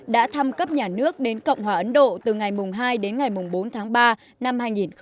đã thăm cấp nhà nước đến cộng hòa ấn độ từ ngày hai đến ngày bốn tháng ba năm hai nghìn một mươi chín